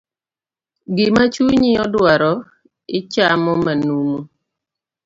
Gima chunyi odwaro, ichamo manumu.